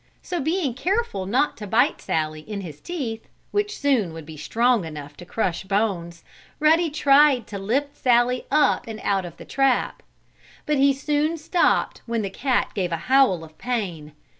So, being careful not to bite Sallie in his teeth, which soon would be strong enough to crush bones, Ruddy tried to lift Sallie up and out of the trap. But he soon stopped when the cat gave a howl of pain.